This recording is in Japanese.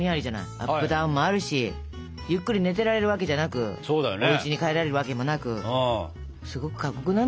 アップダウンもあるしゆっくり寝てられるわけじゃなくおうちに帰られるわけもなくすごく過酷なんですよ。